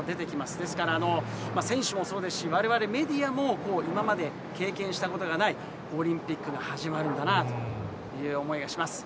ですから、選手もそうですし、われわれメディアも、もう今まで経験したことがないオリンピックが始まるんだなという思いがします。